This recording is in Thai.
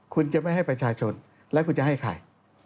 คุณจะไม่ให้ประชาชนแล้วคุณจะให้ใคร